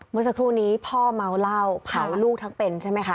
เมื่อสักครู่นี้พ่อเมาเหล้าเผาลูกทั้งเป็นใช่ไหมคะ